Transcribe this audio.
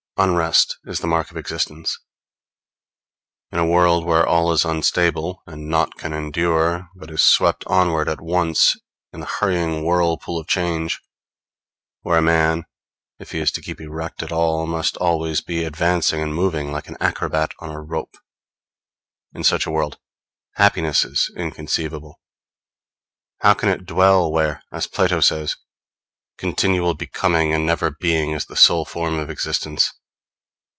Unrest is the mark of existence. In a world where all is unstable, and nought can endure, but is swept onwards at once in the hurrying whirlpool of change; where a man, if he is to keep erect at all, must always be advancing and moving, like an acrobat on a rope in such a world, happiness in inconceivable. How can it dwell where, as Plato says, continual Becoming and never Being is the sole form of existence?